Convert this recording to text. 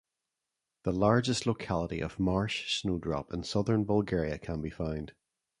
The largest locality of marsh snowdrop in Southern Bulgaria can be found.